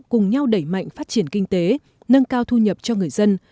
cùng nhau đẩy mạnh phát triển kinh tế nâng cao thu nhập cho người dân